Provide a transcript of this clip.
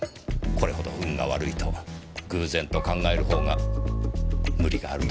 これほど運が悪いと偶然と考えるほうが無理があると思いませんか？